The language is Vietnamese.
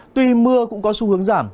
tuy mưa cũng có xu hướng giảm